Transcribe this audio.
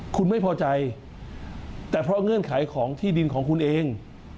คุณไม่พอใจแต่เพราะเงื่อนไขของที่ดินของคุณเอง